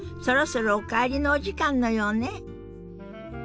そろそろお帰りのお時間のようね。